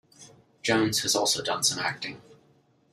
Jones has also done some acting.